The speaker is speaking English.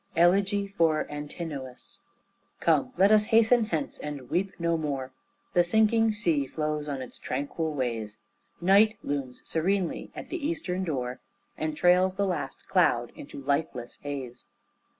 ELEGY FOR ANTINOUS Come, let us hasten hence and weep no more, The sinking sea flows on its tranquil ways, Night looms serenely at the eastern door And trails the last cloud into lifeless haze.